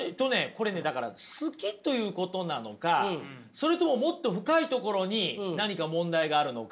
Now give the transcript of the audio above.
これねだから好きということなのかそれとももっと深いところに何か問題があるのか。